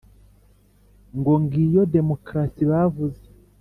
Ngo ngiyo democratie bavuze